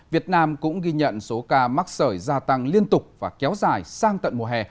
việt nam cũng ghi nhận số ca mắc sởi gia tăng liên tục và kéo dài sang tận mùa hè